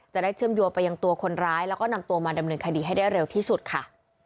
เชื่อมโยงไปยังตัวคนร้ายแล้วก็นำตัวมาดำเนินคดีให้ได้เร็วที่สุดค่ะ